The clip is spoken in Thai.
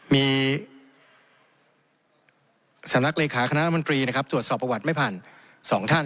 มีสำนักเลขาคณะละมนตรีตรวจสอบประวัติไม่ผ่าน๒ท่าน